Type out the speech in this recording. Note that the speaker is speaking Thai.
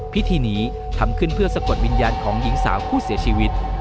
พิธีนี้ทำขึ้นเพื่อสะกดวิญญาณของหญิงสาวผู้เสียชีวิต